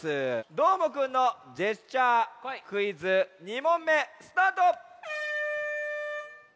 どーもくんのジェスチャークイズ２もんめスタート！